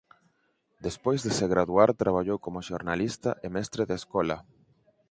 Despois de se graduar traballou como xornalista e mestre de escola.